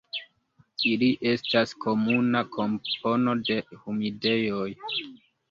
Ili estas komuna kompono de humidejoj.